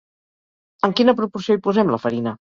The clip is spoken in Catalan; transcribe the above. En quina proporció hi posem la farina?